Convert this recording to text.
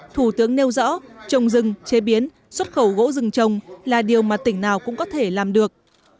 thủ tướng nêu rõ trồng rừng chế biến xuất khẩu gỗ rừng trồng là điều mà tỉnh nào cũng có thể làm được